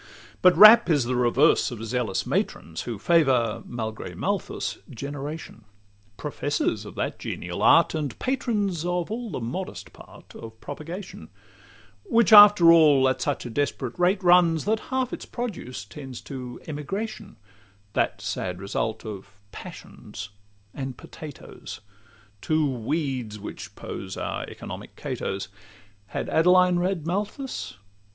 But Rapp is the reverse of zealous matrons, Who favour, malgre Malthus, generation— Professors of that genial art, and patrons Of all the modest part of propagation; Which after all at such a desperate rate runs, That half its produce tends to emigration, That sad result of passions and potatoes— Two weeds which pose our economic Catos. Had Adeline read Malthus?